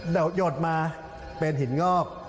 เดินหยดมาเป็นหินงอก